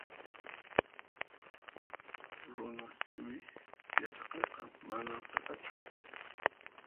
Runasimi yachaqayqa manan sasachu